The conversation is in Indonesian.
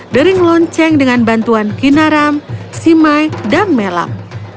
dering lonceng dengan bantuan kinaram simai dan melam